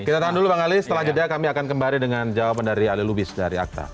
kita tahan dulu bang ali setelah jeda kami akan kembali dengan jawaban dari ali lubis dari akta